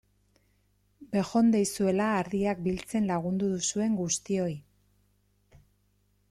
Bejondeizuela ardiak biltzen lagundu duzuen guztioi!